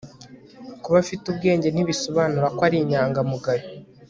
kuba afite ubwenge, ntibisobanura ko ari inyangamugayo